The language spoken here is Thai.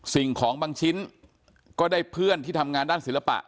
สิ่งของบางชิ้นก็ได้เพื่อนที่ทำงานด้านศิลปะ